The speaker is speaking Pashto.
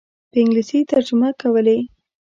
په انګلیسي ترجمه کولې.